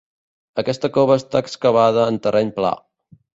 Aquesta cova està excavada en terreny pla.